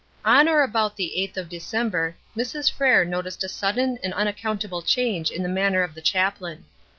On or about the 8th of December, Mrs. Frere noticed a sudden and unaccountable change in the manner of the chaplain.